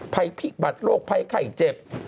ภัยพิบัตรโรคภัยไข้เจ็บ